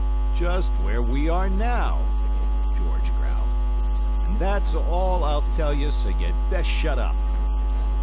"'Just where we are now,' George growled, 'and that's all I'll tell you, so you'd best shut up!